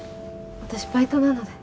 私バイトなので。